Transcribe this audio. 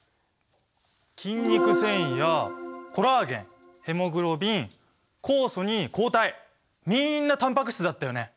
筋肉繊維やコラーゲンヘモグロビン酵素に抗体みんなタンパク質だったよね。